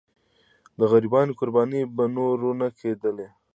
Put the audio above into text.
د غریبانو قرباني به نور نه کېدله.